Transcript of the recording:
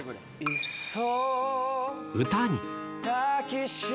歌に。